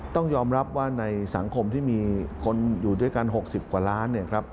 ต้องยอมรับว่าในสังคมที่มีคนอยู่ด้วยกัน๖๐กว่าล้าน